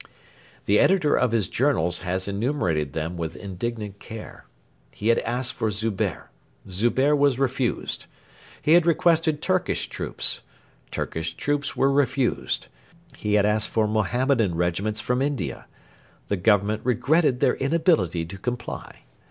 The editor of his Journals has enumerated them with indignant care. He had asked for Zubehr. Zubehr was refused. He had requested Turkish troops. Turkish troops were refused. He had asked for Mohammedan regiments from India. The Government regretted their inability to comply.